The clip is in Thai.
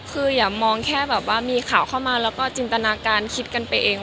คืออย่ามองแค่แบบว่ามีข่าวเข้ามาแล้วก็จินตนาการคิดกันไปเอง